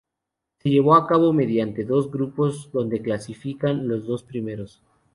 Se llevó a cabo mediante dos grupos donde clasifican los dos primeros.